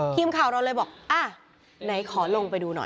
ทีมข่าวเราเลยบอกอ่ะไหนขอลงไปดูหน่อย